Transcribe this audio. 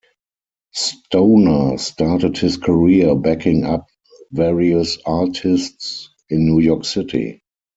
Stoner started his career backing up various artists in New York City.